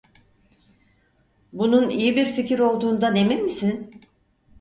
Bunun iyi bir fikir olduğundan emin misin?